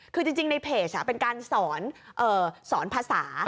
คือจริงในเพจเป็นการสอนภาษา